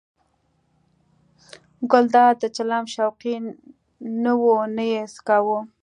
ګلداد د چلم شوقي نه و نه یې څکاوه.